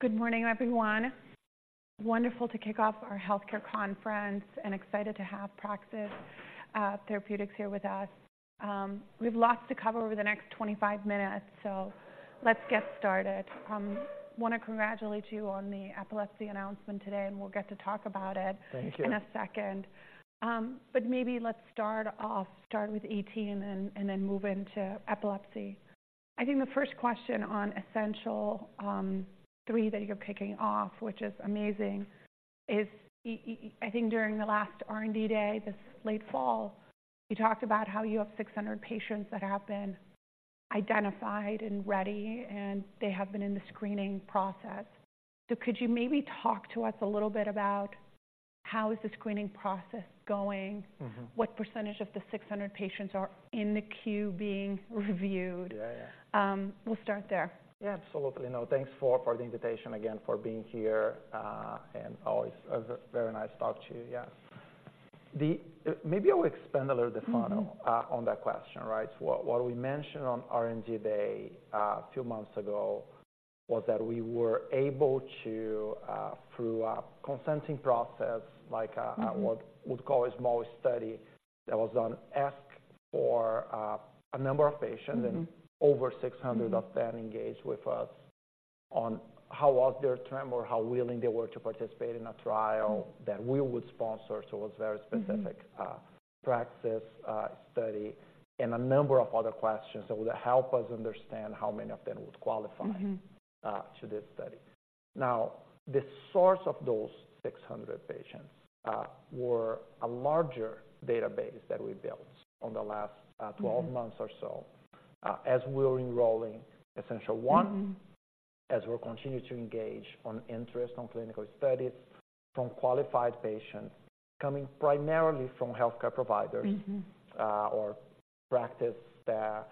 Good morning, everyone. Wonderful to kick off our healthcare conference, and excited to have Praxis Precision Medicines here with us. We've lots to cover over the next 25 minutes, so let's get started. Want to congratulate you on the epilepsy announcement today, and we'll get to talk about it- Thank you. -in a second. But maybe let's start off with ET, and then move into epilepsy. I think the first question on Essential ET, that you're kicking off, which is amazing, is I think during the last R&D Day, this late fall, you talked about how you have 600 patients that have been identified and ready, and they have been in the screening process. So could you maybe talk to us a little bit about how the screening process is going? Mm-hmm. What percentage of the 600 patients are in the queue being reviewed? Yeah, yeah. We'll start there. Yeah, absolutely. No, thanks for the invitation, again, for being here, and always, it's very nice to talk to you. Yeah. The... Maybe I will expand a little bit further- Mm-hmm. On that question, right? What we mentioned on R&D Day, a few months ago, was that we were able to, through a consenting process, like, Mm-hmm... what we'd call a small study, that was on request for a number of patients- Mm-hmm ... and over 600 of them- Mm-hmm engaged with us on how was their tremor, how willing they were to participate in a trial. Mm-hmm that we would sponsor. So it was very specific. Mm-hmm Praxis study, and a number of other questions that would help us understand how many of them would qualify- Mm-hmm to this study. Now, the source of those 600 patients were a larger database that we built on the last, Mm-hmm... 12 months or so, as we're enrolling Essential1- Mm-hmm As we continue to engage on interest on clinical studies from qualified patients, coming primarily from healthcare providers. Mm-hmm or Praxis that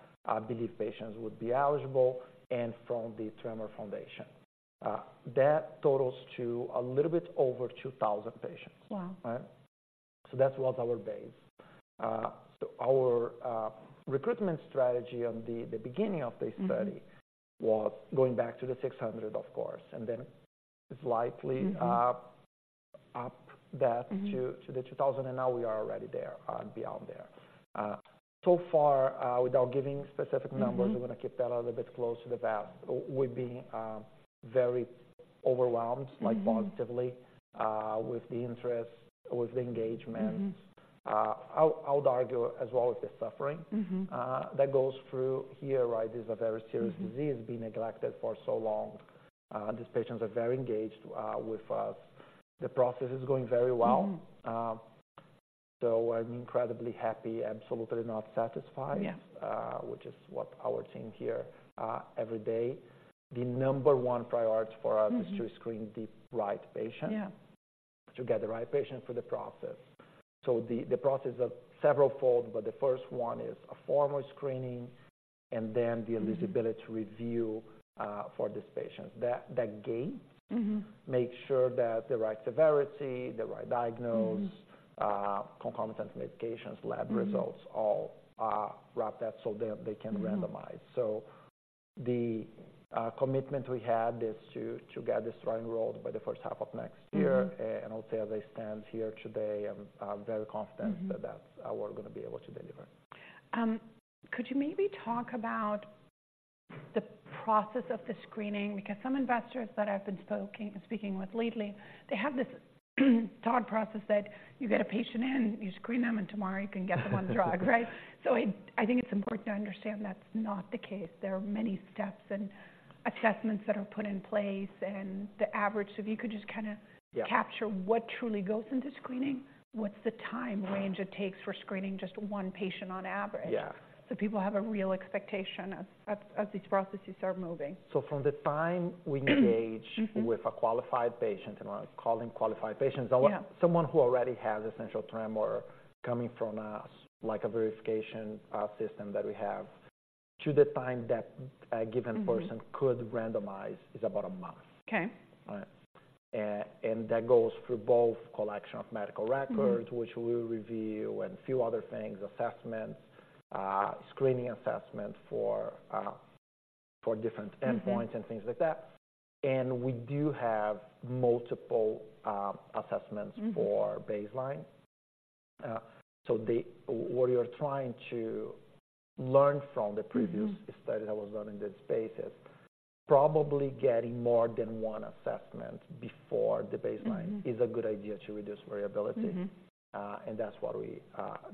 believe patients would be eligible, and from the Tremor Foundation. That totals to a little bit over 2,000 patients. Wow. Right? So that was our base. So our recruitment strategy on the beginning of this study- Mm-hmm was going back to the 600, of course, and then slightly- Mm-hmm -uh, up that- Mm-hmm to the 2000, and now we are already there, and beyond there. So far, without giving specific numbers- Mm-hmm -we're going to keep that a little bit close to the vest. We're being very overwhelmed- Mm-hmm like, positively, with the interest, with the engagement- Mm-hmm I'll, I would argue, as well as the suffering- Mm-hmm that goes through here, right? This is a very serious- Mm-hmm -disease, been neglected for so long. These patients are very engaged with us. The process is going very well. Mm-hmm. I'm incredibly happy, absolutely not satisfied- Yeah... which is what our team here, every day, the number one priority for us- Mm-hmm Is to screen the right patient. Yeah. To get the right patient for the process. So the process is severalfold, but the first one is a formal screening and then the- Mm-hmm -eligibility review, for these patients. That gate- Mm-hmm makes sure that the right severity, the right diagnosis. Mm-hmm concomitant medications, lab results Mm-hmm All are wrapped up, so they, they can randomize. Mm-hmm. So the commitment we had is to get this right enrolled by the first half of next year. Mm-hmm. And I'll tell as it stands here today, I'm very confident. Mm-hmm that, that's what we're going to be able to deliver. Could you maybe talk about the process of the screening? Because some investors that I've been speaking with lately, they have this thought process that you get a patient in, you screen them, and tomorrow you can get them on drug, right? So I think it's important to understand that's not the case. There are many steps and assessments that are put in place, and the average... So if you could just kind of- Yeah... capture what truly goes into screening. What's the time range it takes for screening just one patient on average? Yeah. So people have a real expectation of these processes are moving. So from the time we engage- Mm-hmm with a qualified patient, and I'll call him qualified patient. Yeah -someone who already has Essential Tremor coming from us, like a verification system that we have, to the time that a given person- Mm-hmm could randomize, is about a month. Okay. and that goes through both collection of medical records- Mm-hmm -which we'll review, and a few other things, assessments, screening assessment for, for different endpoints- Mm-hmm - and things like that. We do have multiple assessments- Mm-hmm -for baseline. So the, what you're trying to learn from the previous- Mm-hmm study that was done in this space is, probably getting more than one assessment before the baseline. Mm-hmm Is a good idea to reduce variability. Mm-hmm. and that's what we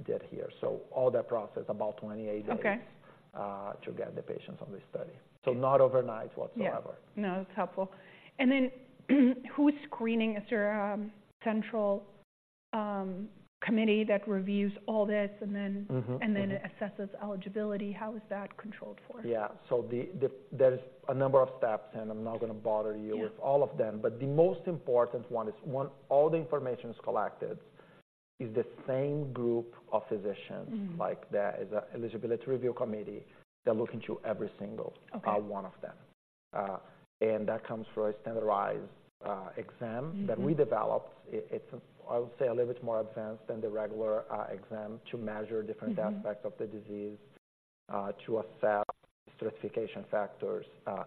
did here. So all that process, about 28 days- Okay to get the patients on this study. So not overnight whatsoever. Yeah. No, that's helpful. And then, who is screening? Is there a central committee that reviews all this and then- Mm-hmm, mm-hmm And then assesses eligibility? How is that controlled for? Yeah. So there's a number of steps, and I'm not going to bother you- Yeah with all of them. But the most important one is when all the information is collected, is the same group of physicians. Mm-hmm like there is an eligibility review committee. They're looking through every single- Okay One of them. That comes from a standardized exam- Mm-hmm -that we developed. It, it's, I would say, a little bit more advanced than the regular, exam to measure different- Mm-hmm aspects of the disease... to assess stratification factors,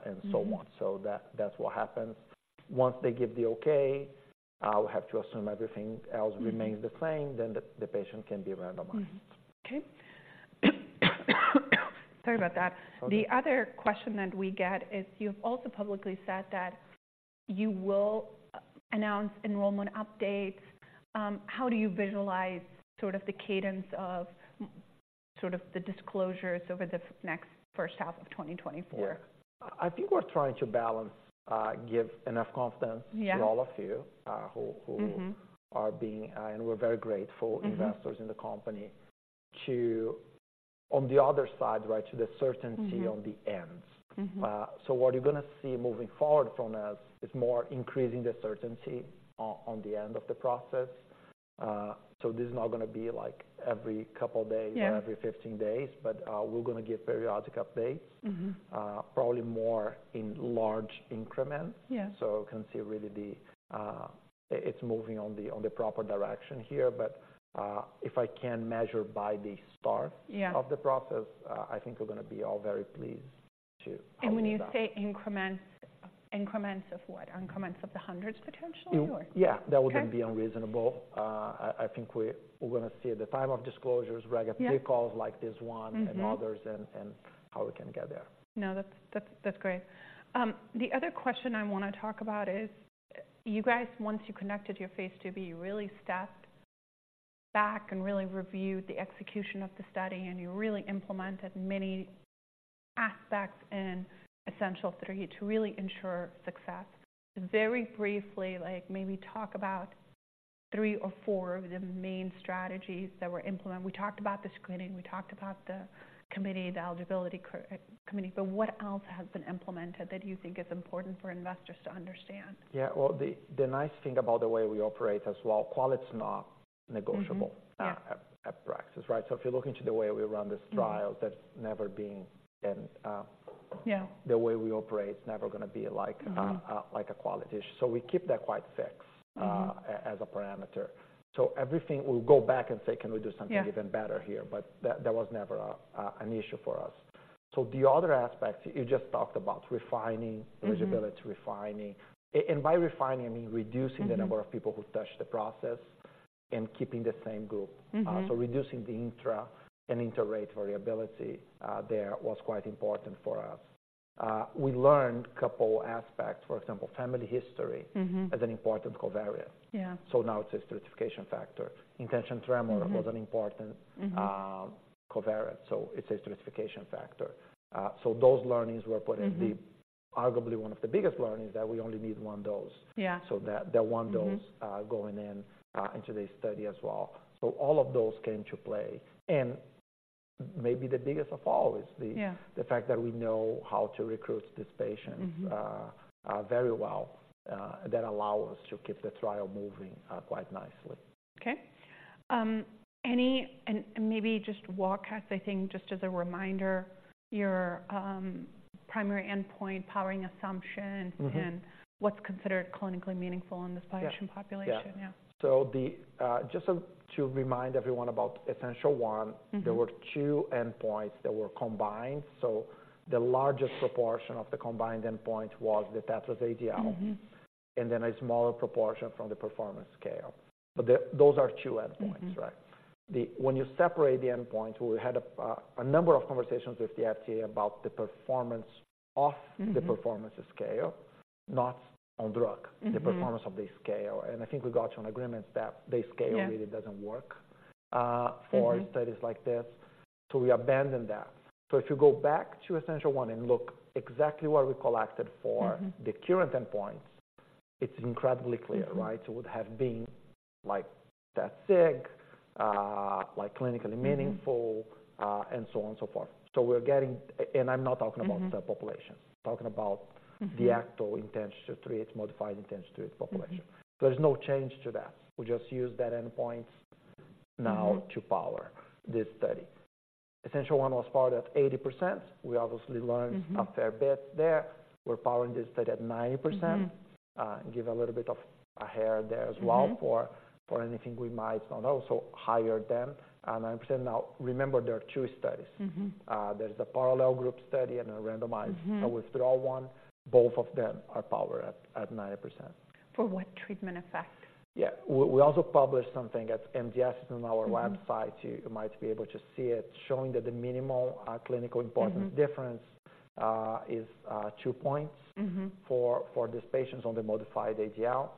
and so on. Mm-hmm. So that, that's what happens. Once they give the okay, I'll have to assume everything else- Mm-hmm. remains the same, then the patient can be randomized. Mm-hmm. Okay. Sorry about that. Okay. The other question that we get is, you've also publicly said that you will announce enrollment updates. How do you visualize sort of the cadence of sort of the disclosures over the next first half of 2024? Yeah. I think we're trying to balance, give enough confidence- Yeah To all of you, who Mm-hmm are being, and we're very grateful Mm-hmm investors in the company to... On the other side, right, to the certainty. Mm-hmm on the ends. Mm-hmm. So what you're going to see moving forward from us is more increasing the certainty on the end of the process. So this is not going to be, like, every couple of days- Yeah -or every 15 days, but, we're going to give periodic updates. Mm-hmm. Probably more in large increments. Yeah. So you can see really it's moving on the proper direction here. But, if I can measure by the start- Yeah of the process, I think we're going to be all very pleased to how we do that. When you say increments, increments of what? Increments of the hundreds, potentially, or? Yeah, that wouldn't- Okay... be unreasonable. I think we're going to see the time of disclosures- Yeah reg recalls like this one. Mm-hmm and others, and how we can get there. No, that's, that's, that's great. The other question I want to talk about is, you guys, once you connected your phase IIb, you really stepped back and really reviewed the execution of the study, and you really implemented many aspects in Essential3 to really ensure success. Very briefly, like, maybe talk about three or four of the main strategies that were implemented. We talked about the screening, we talked about the committee, the eligibility committee, but what else has been implemented that you think is important for investors to understand? Yeah, well, the nice thing about the way we operate as well, quality is not negotiable- Mm-hmm. Yeah... at Praxis, right? So if you look into the way we run this trial- Mm that's never been in Yeah... the way we operate, it's never going to be like- Mm-hmm... like a quality issue. So we keep that quite fixed- Mm-hmm... as a parameter. So everything will go back and say: Can we do something- Yeah... even better here? But that, that was never a, an issue for us. So the other aspect, you just talked about refining- Mm-hmm... eligibility, refining, and by refining, I mean reducing- Mm-hmm... the number of people who touch the process and keeping the same group. Mm-hmm. So reducing the intra and inter-rate variability, there was quite important for us. We learned couple aspects, for example, family history- Mm-hmm... as an important covariate. Yeah. Now it's a stratification factor. Intention tremor- Mm-hmm... was an important- Mm-hmm... covariate, so it's a stratification factor. So those learnings were put as the- Mm-hmm... arguably one of the biggest learnings, that we only need one dose. Yeah. So that, the one dose- Mm-hmm... going in, into the study as well. So all of those came to play. And maybe the biggest of all is the- Yeah... the fact that we know how to recruit this patient- Mm-hmm... very well, that allow us to keep the trial moving quite nicely. Okay. Maybe just walk us, I think, just as a reminder, your primary endpoint, powering assumptions- Mm-hmm... and what's considered clinically meaningful in this patient population? Yeah. Yeah. So, just to remind everyone about Essential I- Mm-hmm... there were two endpoints that were combined. The largest proportion of the combined endpoint was the TETRAS-ADL- Mm-hmm... and then a smaller proportion from the performance scale. But those are two endpoints, right? Mm-hmm. When you separate the endpoint, we had a number of conversations with the FDA about the performance of- Mm-hmm... the performance scale, not on drug. Mm-hmm. The performance of the scale, and I think we got to an agreement that the scale- Yeah... really doesn't work Mm-hmm... for studies like this, so we abandoned that. So if you go back to Essential1 and look exactly what we collected for- Mm-hmm... the current endpoints, it's incredibly clear, right? Mm-hmm. It would have been like that sick, like clinically meaningful- Mm-hmm... and so on and so forth. So we're getting... and I'm not talking about- Mm-hmm... the population. I'm talking about- Mm-hmm... the actual intent-to-treat, modified intent-to-treat population. Mm-hmm. There's no change to that. We just use that endpoint now- Mm-hmm... to power this study. Essentially, it was powered at 80%. We obviously learned- Mm-hmm... a fair bit there. We're powering this study at 90%. Mm-hmm. Give a little bit of a hair there as well- Mm-hmm... for anything we might not know, so higher them. And I'm saying now, remember, there are two studies. Mm-hmm. There's a parallel group study and a randomized- Mm-hmm... a withdrawal one. Both of them are powered at 9%. For what treatment effect? Yeah. We also published something at MDS on our website- Mm-hmm... you might be able to see it, showing that the minimal clinical importance- Mm-hmm... difference, is, two points- Mm-hmm... for these patients on the Modified ADL,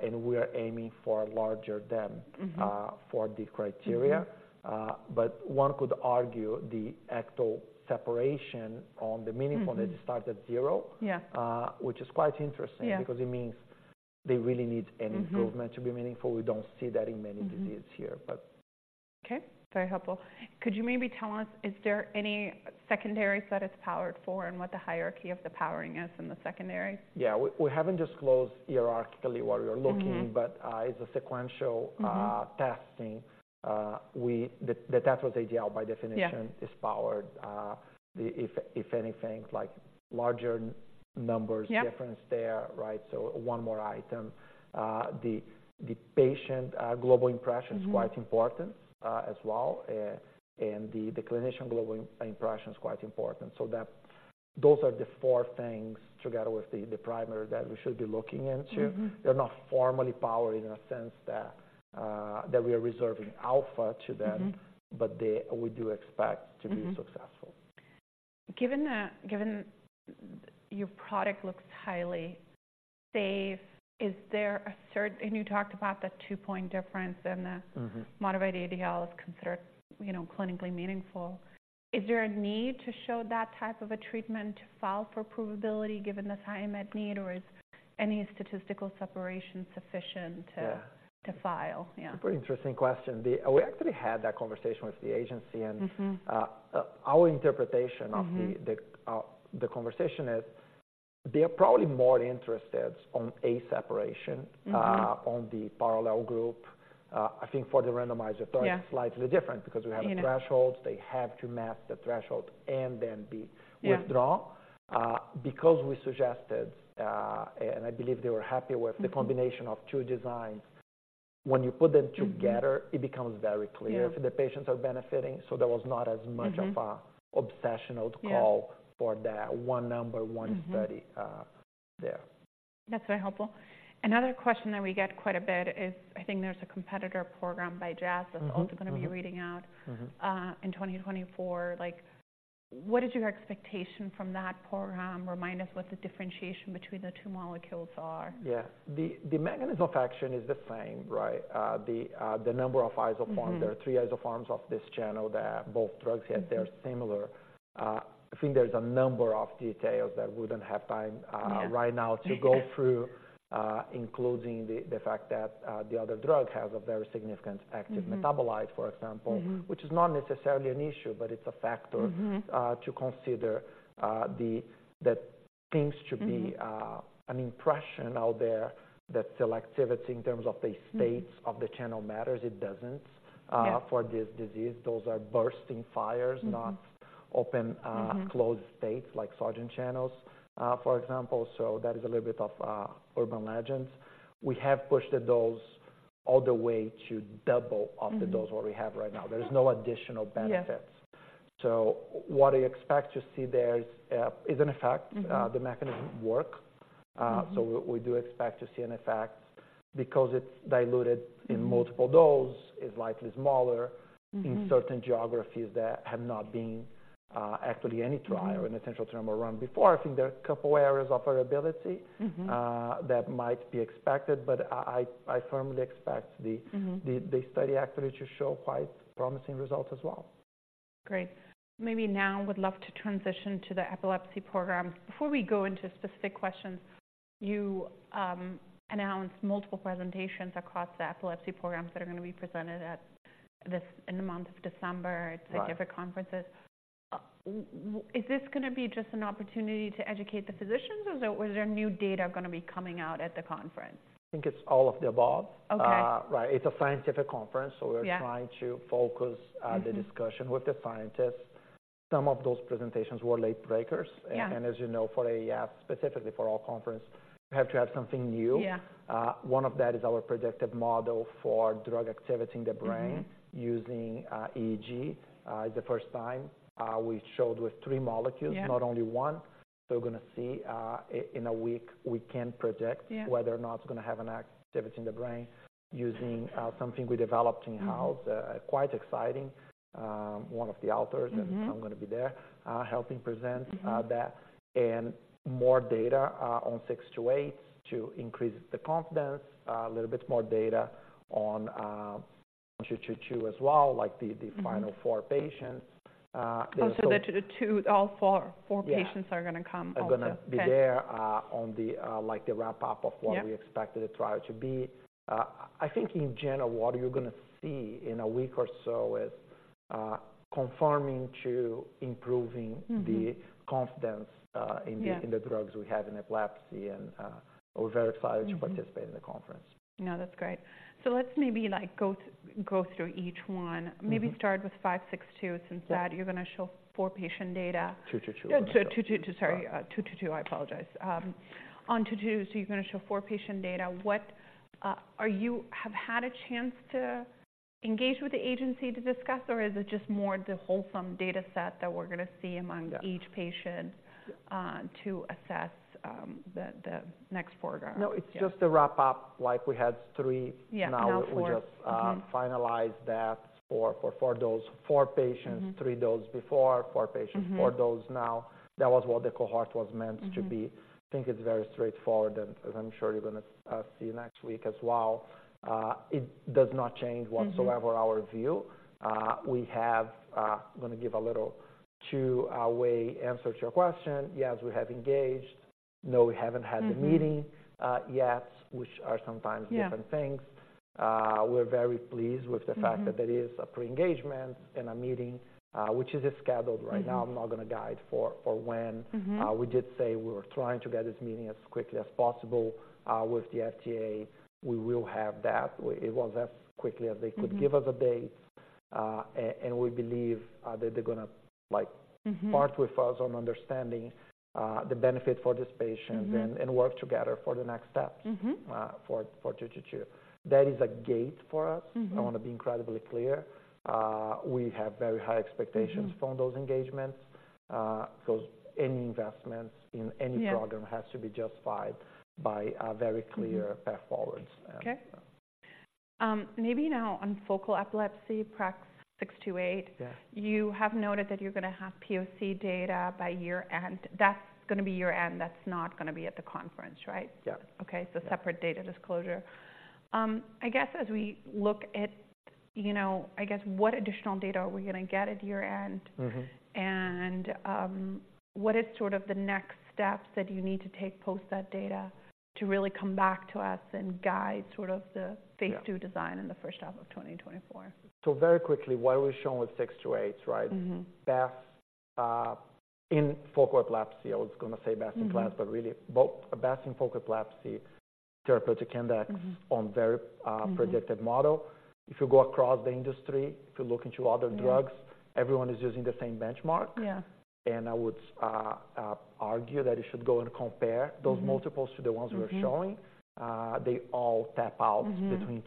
and we are aiming for larger than- Mm-hmm... for the criteria. Mm-hmm. But one could argue the actual separation on the meaningful- Mm-hmm... that starts at 0- Yeah... which is quite interesting- Yeah... because it means they really need an improvement- Mm-hmm... to be meaningful. We don't see that in many diseases here, but. Mm-hmm. Okay, very helpful. Could you maybe tell us, is there any secondaries that it's powered for and what the hierarchy of the powering is in the secondary? Yeah, we haven't disclosed hierarchically what we're looking- Mm-hmm... but, it's a sequential- Mm-hmm... testing. We, the TETRAS-ADL, by definition- Yeah... is powered, if anything, like larger numbers- Yeah... difference there, right? So one more item, the Patient Global Impression- Mm-hmm... is quite important, as well. And the Clinical Global Impression is quite important. Those are the four things, together with the primary, that we should be looking into. Mm-hmm. They're not formally powered in a sense that, that we are reserving alpha to them- Mm-hmm. we do expect to be successful. Mm-hmm. Given that your product looks highly safe, is there a third - and you talked about the 2-point difference, and the- Mm-hmm. Modified ADL is considered, you know, clinically meaningful. Is there a need to show that type of a treatment to file for approvability, given the time and need, or is any statistical separation sufficient to- Yeah. to file? Yeah. Pretty interesting question. We actually had that conversation with the agency, and- Mm-hmm. our interpretation of the- Mm-hmm... the conversation is, they are probably more interested on a separation- Mm-hmm on the parallel group. I think for the randomized authority- Yeah It's slightly different because we have a threshold. Yeah. They have to match the threshold and then be. Yeah -withdraw. Because we suggested, and I believe they were happy with- Mm-hmm The combination of two designs. When you put them together. Mm-hmm. It becomes very clear. Yeah if the patients are benefiting, so there was not as much of a- Mm-hmm - obsessional call- Yeah for that one number, one study Mm-hmm -uh, there. That's very helpful. Another question that we get quite a bit is, I think there's a competitor program by Jazz- Mm-hmm, mm-hmm. that's also going to be reading out. Mm-hmm In 2024. Like, what is your expectation from that program? Remind us what the differentiation between the two molecules are. Yeah. The mechanism of action is the same, right? The number of isoforms- Mm-hmm. There are three isoforms of this channel that both drugs have. Mm-hmm. They're similar. I think there's a number of details that we wouldn't have time, Yeah -right now to go through, including the, the fact that, the other drug has a very significant- Mm-hmm -active metabolite, for example. Mm-hmm. Which is not necessarily an issue, but it's a factor- Mm-hmm to consider. That seems to be- Mm-hmm an impression out there, that selectivity in terms of the- Mm-hmm states of the channel matters, it doesn't. Yeah for this disease. Those are bursting fires- Mm-hmm not open Mm-hmm -closed states like sodium channels, for example. So that is a little bit of urban legends. We have pushed the dose all the way to double of- Mm-hmm the dose what we have right now. Mm-hmm. There is no additional benefits. Yeah. So what I expect to see there is an effect. Mm-hmm. The mechanism work. Mm-hmm. So we do expect to see an effect because it's diluted in multiple- Mm-hmm -dose, is likely smaller- Mm-hmm -in certain geographies that have not been, actually any trial- Mm-hmm or a potential trial run before. I think there are a couple areas of variability- Mm-hmm that might be expected, but I firmly expect the- Mm-hmm The study actually to show quite promising results as well. Great. Maybe now would love to transition to the epilepsy program. Before we go into specific questions, you announced multiple presentations across the epilepsy programs that are going to be presented at this- in the month of December- Right... at significant conferences. Is this gonna be just an opportunity to educate the physicians, or is there new data gonna be coming out at the conference? I think it's all of the above. Okay. Right. It's a scientific conference, so- Yeah We're trying to focus. Mm-hmm The discussion with the scientists. Some of those presentations were late breakers. Yeah. As you know, for AAF, specifically for our conference, we have to have something new. Yeah. One of that is our predictive model for drug activity in the brain. Mm-hmm -using EEG. It's the first time we showed with three molecules- Yeah -not only one. So we're gonna see, in a week, we can project- Yeah Whether or not it's gonna have an activity in the brain using something we developed in-house. Mm-hmm. Quite exciting. One of the authors- Mm-hmm -and I'm gonna be there, helping present- Mm-hmm that and more data on 628 to increase the confidence. A little bit more data on 222 as well, like the Mm-hmm final four patients, and so- Oh, so the two... all four, four patients- Yeah are gonna come also. Are gonna be there? Okay On the, like, the wrap-up of what- Yeah We expected the trial to be. I think in general, what you're gonna see in a week or so is confirming to improving. Mm-hmm -the confidence- Yeah in the drugs we have in epilepsy, and we're very excited- Mm-hmm to participate in the conference. No, that's great. So let's maybe, like, go through each one. Mm-hmm. Maybe start with 562, since that you're gonna show 4 patient data. 222. 222, sorry. Yeah. PRAX-222. I apologize. On PRAX-222, so you're gonna show four patient data. What, have you had a chance to engage with the agency to discuss, or is it just more the whole data set that we're gonna see among- Yeah -each patient, to assess the next program? No, it's just a wrap-up. Like, we had three. Yeah, now 4. Now we just- Mm-hmm finalize that for 4 dose, 4 patients. Mm-hmm. 3 dose before, 4 patients- Mm-hmm -4 dose now. That was what the cohort was meant to be. Mm-hmm. I think it's very straightforward, and as I'm sure you're gonna see next week as well. It does not change whatsoever- Mm-hmm -our view. We have, I'm gonna give a little, two-way answer to your question. Yes, we have engaged. No, we haven't had the meeting- Mm-hmm Yet, which are sometimes different things. Yeah. We're very pleased with the fact that. Mm-hmm There is a pre-engagement and a meeting, which is scheduled right now. Mm-hmm. I'm not gonna guide for when. Mm-hmm. We did say we were trying to get this meeting as quickly as possible with the FDA. We will have that. It was as quickly as they could- Mm-hmm give us a date... and we believe that they're gonna, like- Mm-hmm. -part with us on understanding, the benefit for these patients- Mm-hmm. and work together for the next steps. Mm-hmm. For 2-2. That is a gate for us. Mm-hmm. I wanna be incredibly clear, we have very high expectations- Mm-hmm. -from those engagements, because any investments in any- Yeah program has to be justified by a very clear- Mm-hmm path forward. And, Okay. Maybe now on focal epilepsy, PRAX-628. Yeah. You have noted that you're gonna have POC data by year-end. That's gonna be year-end, that's not gonna be at the conference, right? Yeah. Okay. So separate data disclosure. I guess as we look at, you know, I guess, what additional data are we gonna get at year-end? Mm-hmm. What is sort of the next steps that you need to take post that data to really come back to us and guide sort of the- Yeah phase 2 design in the first half of 2024? Very quickly, what we've shown with 628, right? Mm-hmm. Praxis, in focal epilepsy, I was gonna say best in class- Mm-hmm but really best in focal epilepsy, therapeutic index. Mm-hmm -on very predicted model. If you go across the industry, if you look into other drugs- Yeah Everyone is using the same benchmark. Yeah. I would argue that it should go and compare- Mm-hmm those multiples to the ones we are showing. Mm-hmm. They all tap out- Mm-hmm -between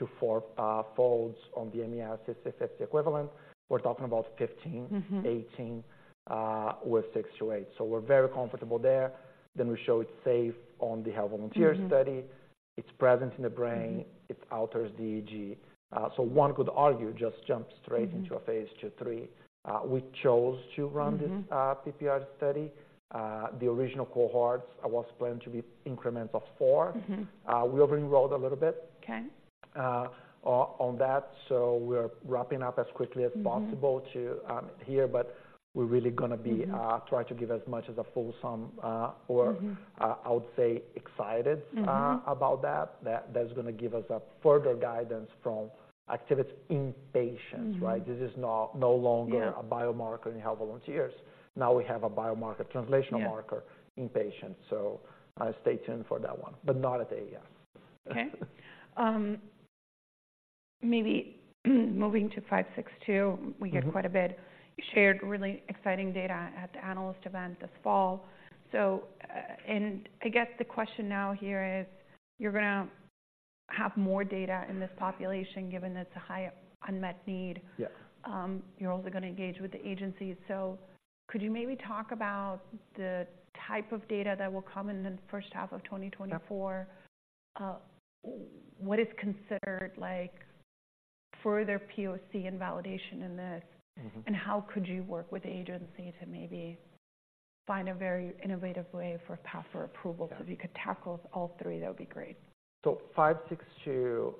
2-4 folds on the MES EC50 equivalent. We're talking about 15- Mm-hmm -18, with 628. So we're very comfortable there. Then we show it's safe on the health volunteer study. Mm-hmm. It's present in the brain- Mm-hmm It alters the EEG. So one could argue, just jump straight- Mm-hmm -into a phase 2, 3. We chose to run this- Mm-hmm PPR study. The original cohorts was planned to be increments of 4. Mm-hmm. We over enrolled a little bit. Okay. On that, so we're wrapping up as quickly as possible- Mm-hmm but we're really gonna be- Mm-hmm Try to give as much as a full sum, or- Mm-hmm I would say, excited. Mm-hmm about that. That, that's gonna give us a further guidance from activities in patients, right? Mm-hmm. This is no longer. Yeah -a biomarker in healthy volunteers. Now, we have a biomarker, translational marker- Yeah -in patients, so, stay tuned for that one, but not at the AS. Okay. Maybe moving to 562. Mm-hmm. We hear quite a bit. You shared really exciting data at the analyst event this fall. So, and I guess the question now here is, you're gonna have more data in this population, given it's a high unmet need. Yeah. You're also gonna engage with the agency. So could you maybe talk about the type of data that will come in the first half of 2024? Yeah. What is considered, like, further POC and validation in this? Mm-hmm. How could you work with the agency to maybe find a very innovative way for path for approval? Yeah. If you could tackle all three, that would be great. So 562,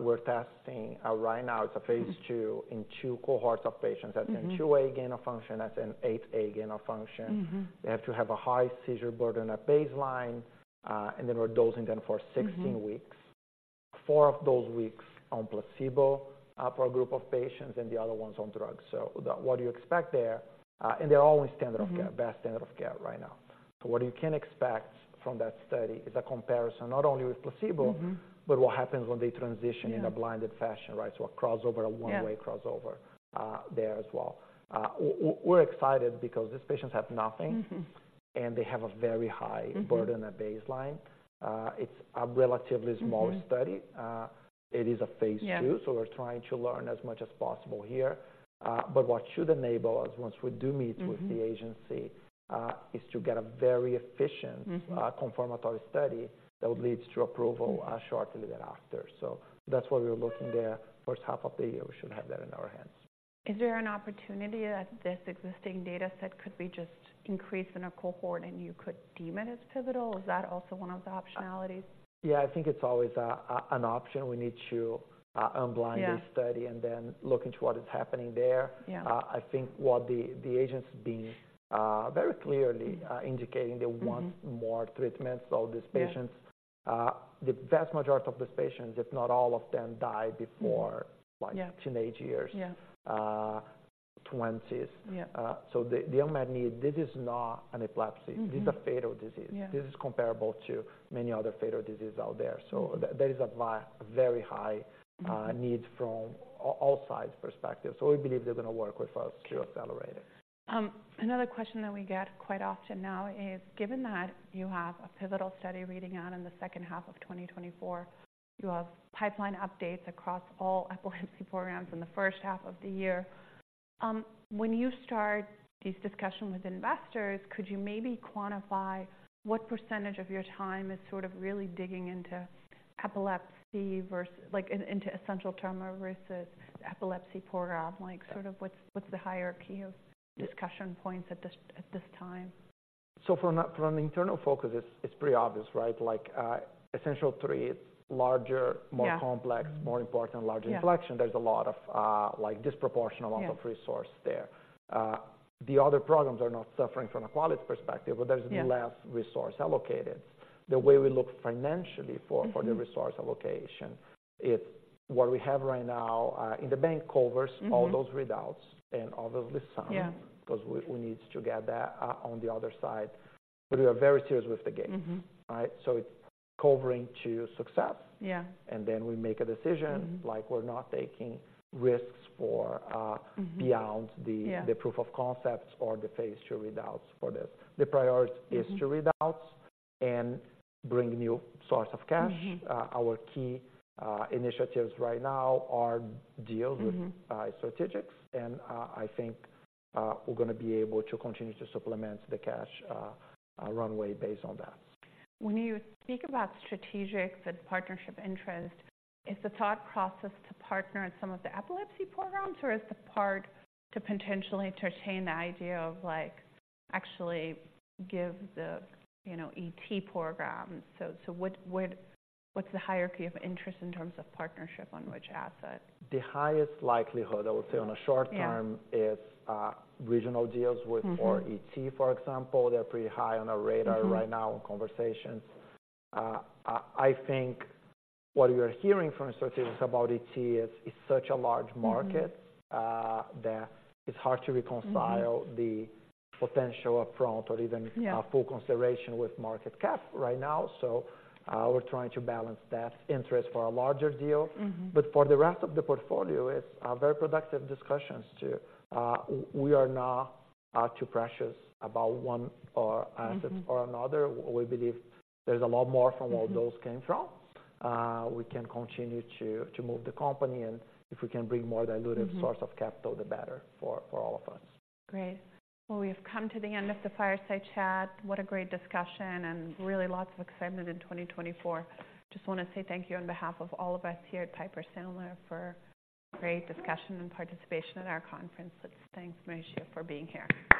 we're testing right now, it's a phase 2- Mm-hmm. in two cohorts of patients. Mm-hmm. That's in SCN2A gain of function, that's in SCN8A gain of function. Mm-hmm. They have to have a high seizure burden at baseline, and then we're dosing them for 16 weeks. Mm-hmm. Four of those weeks on placebo, for a group of patients, and the other one's on drugs. So the... what you expect there, and they're only standard of care- Mm-hmm best standard of care right now. So what you can expect from that study is a comparison, not only with placebo. Mm-hmm But what happens when they transition? Yeah in a blinded fashion, right? So a crossover- Yeah A one-way crossover there as well. We're excited because these patients have nothing. Mm-hmm. And they have a very high- Mm-hmm -burden at baseline. It's a relatively smaller study. Mm-hmm. It is a phase two- Yeah -so we're trying to learn as much as possible here. But what should enable us, once we do meet- Mm-hmm -with the agency, is to get a very efficient- Mm-hmm Confirmatory study that leads to approval, shortly thereafter. So that's what we're looking there. First half of the year, we should have that in our hands. Is there an opportunity that this existing dataset could be just increased in a cohort and you could deem it as pivotal? Is that also one of the optionalities? Yeah, I think it's always an option. We need to unblind- Yeah the study and then look into what is happening there. Yeah. I think what the agency being very clearly indicating- Mm-hmm They want more treatments of these patients. Yeah. The vast majority of these patients, if not all of them, die before- Yeah -like teenage years. Yeah. Uh, twenties. Yeah. So the unmet need, this is not an epilepsy. Mm-hmm. This is a fatal disease. Yeah. This is comparable to many other fatal diseases out there. Mm-hmm. So there is a very high- Mm-hmm Need from all sides perspective. So we believe they're gonna work with us to accelerate it. Another question that we get quite often now is: Given that you have a pivotal study reading out in the second half of 2024, you have pipeline updates across all epilepsy programs in the first half of the year. When you start these discussions with investors, could you maybe quantify what percentage of your time is sort of really digging into epilepsy versus—like, in, into essential tremor versus epilepsy program? Like, sort of what's, what's the hierarchy of— Yeah Discussion points at this time? So from an internal focus, it's pretty obvious, right? Like, essential tremor, it's larger- Yeah... more complex, more important, larger inflection. Yeah. There's a lot of, like, disproportional- Yeah -amount of resource there. The other programs are not suffering from a quality perspective- Yeah But there's less resource allocated. The way we look financially for- Mm-hmm -for the resource allocation, if what we have right now, in the bank covers- Mm-hmm all those readouts and obviously some Yeah Because we, we need to get that on the other side. But we are very serious with the game. Mm-hmm. Right? So covering to success. Yeah. And then we make a decision- Mm-hmm. —like we're not taking risks for Mm-hmm. -beyond the- Yeah the proof of concepts or the phase 2 readouts for this. The priority is Mm-hmm to readouts and bring new source of cash. Mm-hmm. Our key initiatives right now are deals with- Mm-hmm Strategics, and I think we're gonna be able to continue to supplement the cash runway based on that. When you speak about strategics and partnership interest, is the thought process to partner in some of the epilepsy programs, or is the part to potentially entertain the idea of, like, actually give the, you know, ET programs? So, what's the hierarchy of interest in terms of partnership on which asset? The highest likelihood, I would say, on a short term. Yeah is, regional deals with Mm-hmm our ET, for example. They're pretty high on our radar. Mm-hmm Right now in conversations. I think what you're hearing from strategics about ET is, it's such a large market. Mm-hmm that it's hard to reconcile- Mm-hmm the potential up front or even Yeah full consideration with market cap right now. So, we're trying to balance that interest for a larger deal. Mm-hmm. But for the rest of the portfolio, it's very productive discussions to... We are not too precious about one or assets- Mm-hmm or another. We believe there's a lot more from where those came from. Mm-hmm. We can continue to move the company, and if we can bring more dilutive- Mm-hmm -source of capital, the better for all of us. Great. Well, we've come to the end of the fireside chat. What a great discussion, and really lots of excitement in 2024. Just wanna say thank you on behalf of all of us here at Piper Sandler for great discussion and participation at our conference. Let's thank Marcio for being here.